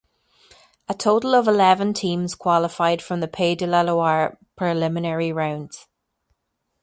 A total of eleven teams qualified from the Pays de la Loire preliminary rounds.